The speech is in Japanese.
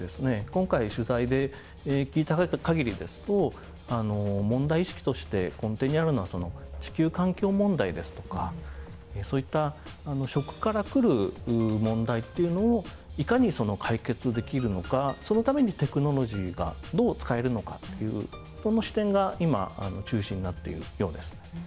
今回取材で聞いた限りですと問題意識として根底にあるのは地球環境問題ですとかそういった食から来る問題っていうのをいかに解決できるのかそのためにテクノロジーがどう使えるのかっていうその視点が今中心になっているようです。